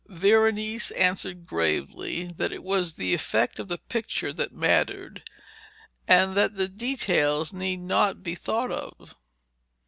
Veronese answered gravely that it was the effect of the picture that mattered, and that the details need not be thought of.